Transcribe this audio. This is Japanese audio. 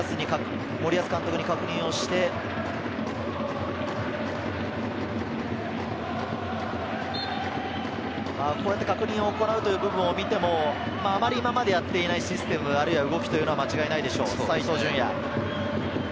板倉が森保監督に確認をして、こうやって確認を行うというところを見てもあまり今までやっていないシステム、あるいは動きというのは間違いないでしょう。